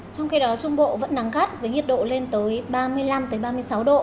trong khi đó trung bộ vẫn nắng gắt với nhiệt độ lên tới ba mươi năm ba mươi sáu độ